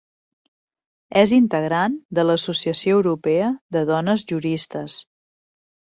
És integrant de l'Associació Europea de Dones Juristes.